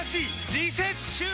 リセッシュー！